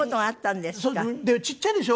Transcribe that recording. でちっちゃいでしょ？